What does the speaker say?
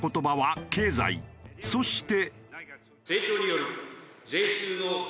そして。